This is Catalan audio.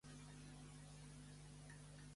Estudià a la Universitat de Saragossa.